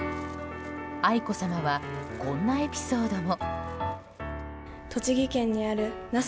愛子さまはこんなエピソードも。